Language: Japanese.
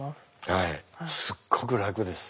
はいすっごく楽です。